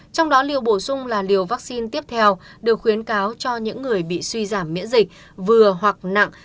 trong đó liều bổ sung là liều vaccine tiếp theo được khuyến cáo cho những người bị suy giảm miễn dịch vừa hoặc nặng